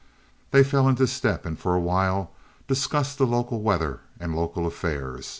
They fell into step and for a while discussed the local weather and local affairs.